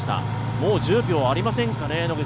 もう１０秒ありませんかね。